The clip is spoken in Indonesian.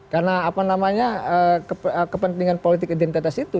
karena apa namanya kepentingan politik identitas itu